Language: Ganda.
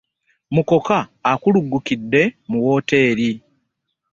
Mukoka akuluggukidde mu wooteeri.